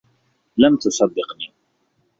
لم تصدّقني.